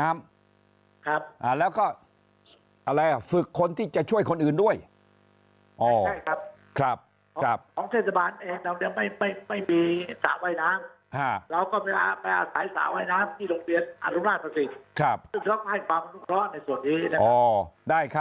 ซึ่งเค้าก็มาให้ปะบัตรกะหนังศูนย์ในส่วนนี้แหละ